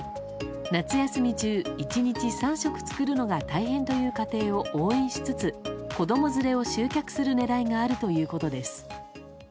夏休み中、１日３食作るのが大変という家庭を応援しつつ子供連れを集客する狙いがあるということです。